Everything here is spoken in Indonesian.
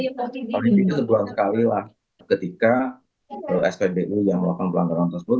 tapi itu terdua sekali lah ketika spbu yang melakukan pelanggaran tersebut